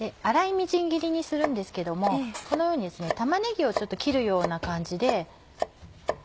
粗いみじん切りにするんですけどもこのように玉ねぎを切るような感じで。